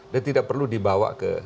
dan tidak perlu dibawa ke